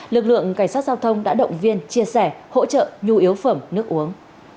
lực lượng cảnh sát giao thông đã động viên chia sẻ hỗ trợ nhu yếu phẩm nước uống